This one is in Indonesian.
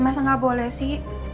masa gak boleh sih